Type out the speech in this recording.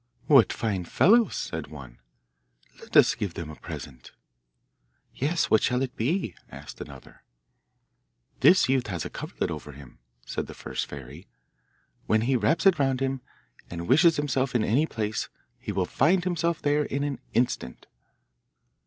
'What fine fellows!' said one. 'Let us give them a present.' 'Yes, what shall it be?' asked another. 'This youth has a coverlet over him,' said the first fairy. 'When he wraps it round him, and wishes himself in any place, he will find himself there in an instant.